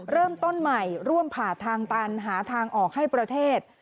เริ่มต้นใหม่ร่วมผ่าทางตันหาทางออกให้ประเทศ